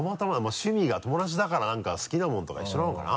趣味が友達だからなんか好きな物とか一緒なのかな。